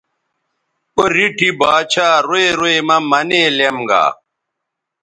او ریٹھی با ڇھا روئ روئ مہ منے لیم گا